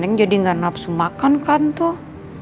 neneng jadi nggak nafsu makan kan tuh